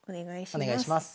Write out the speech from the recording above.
お願いします。